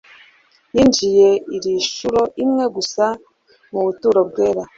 "Yinjiye ilishuro imwe gusa mu buturo bwera.......